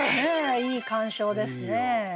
いい鑑賞ですね。